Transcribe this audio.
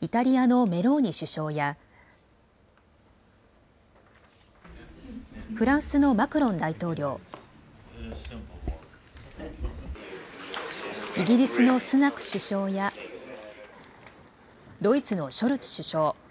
イタリアのメローニ首相や、フランスのマクロン大統領、イギリスのスナク首相や、ドイツのショルツ首相。